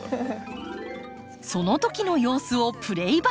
そのときの様子をプレーバック。